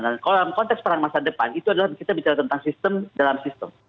nah kalau dalam konteks perang masa depan itu adalah kita bicara tentang sistem dalam sistem